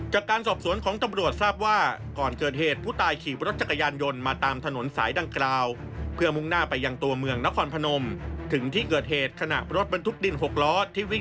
ช่วงบ้านคำพอกหมู๑๑ตำรวจหนองญาติ